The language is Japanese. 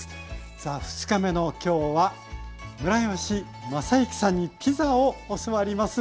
さあ２日目の今日はムラヨシマサユキさんにピザを教わります。